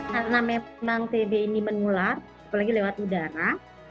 karena memang tb ini menular apalagi lewat udara